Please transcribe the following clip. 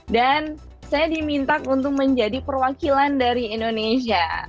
dan saya diminta untuk menjadi perwakilan dari indonesia